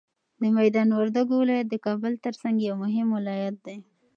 د میدان وردګو ولایت د کابل تر څنګ یو مهم ولایت دی.